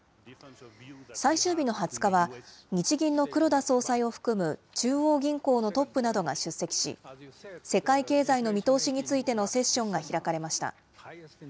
最終日の２０日は、日銀の黒田総裁を含む中央銀行のトップなどが出席し、世界経済の見通しについてのセッションが開かれました。